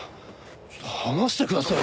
ちょっと放してください。